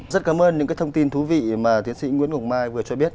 rất cảm ơn những thông tin thú vị mà tiến sĩ nguyễn ngọc mai vừa cho biết